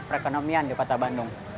perekonomian di kota bandung